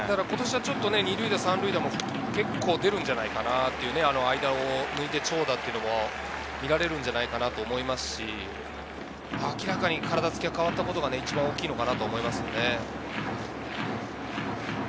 今年は２塁打、３塁打も結構出るんじゃないかなと、間を抜いて長打というのも見られるんじゃないかなと思いますし、体つきが変わったことが大きいのかなと思います。